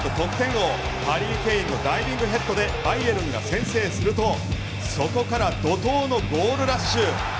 王ハリー・ケインのダイビングヘッドでバイエルンが先制するとそこから怒涛のゴールラッシュ。